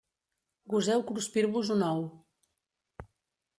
Goseu cruspir-vos un ou.